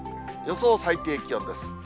予想最低気温です。